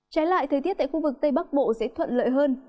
trái lại thời tiết tại khu vực tây bắc bộ sẽ thuận lợi hơn